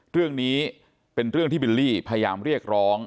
เรื่องนี้เป็นเรื่องที่บิลลี่พยายามเรียกร้อง